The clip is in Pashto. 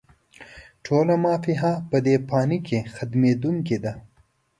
ټوله «ما فيها» په دې فاني کې ختمېدونکې ده